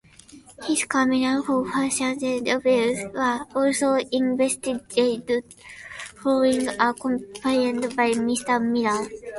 His claims for household bills were also investigated following a complaint by Mr Miller.